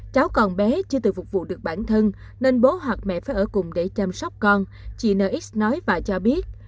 cháu còn bé chưa tự phục vụ được bản thân nên bố hoặc mẹ phải ở cùng để chăm sóc con chị n ít nói và cho biết